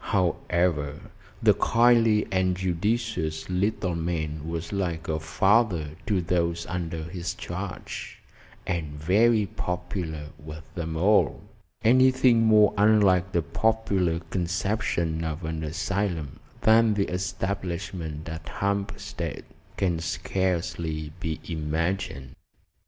However, the kindly and judicious little man was like a father to those under his charge, and very popular with them all. Anything more unlike the popular conception of an asylum than the establishment at Hampstead can scarcely be imagined.